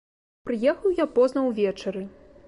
Прыехаў я позна ўвечары.